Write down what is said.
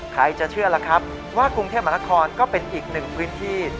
ใครจะเชื่อล่ะครับว่ากรุงเทพมหานครก็เป็นอีกหนึ่งพื้นที่